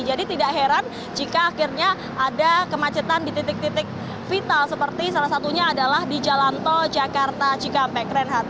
jadi tidak heran jika akhirnya ada kemacetan di titik titik vital seperti salah satunya adalah di jalan tol jakarta cikampek renhard